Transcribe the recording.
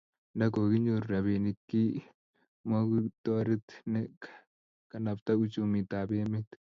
nda kokinyoru robinik ki muketoret ke kanabta uchumitab emet